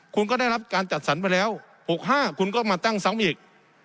คุณก็ได้รับการจัดสรรไปแล้ว๖๕คุณก็มาตั้งซ้ำอีก